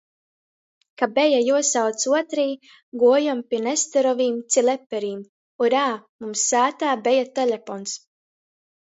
Ka beja juosauc uotrī, guojom pi Nesterovim ci Leperim. Urā, mums sātā beja telepons!